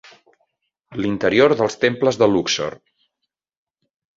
L'interior dels temples de Luxor.